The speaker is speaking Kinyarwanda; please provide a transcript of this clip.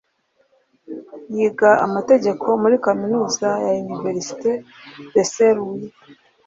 yiga Amategeko muri Kaminuza ya Université de Saint Louis